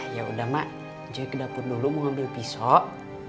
yaudah mak cuy ke dapur dulu mau ambil pisok